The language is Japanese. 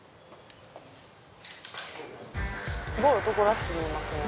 すごい男らしく見えますね。